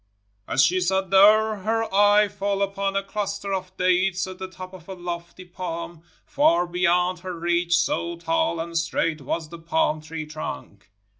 As she sat there, her eye fell upon a cluster of dates at the top of a lofty palm, far beyond her reach, so tall and straight was the pahn tree trunk.